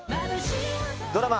ドラマ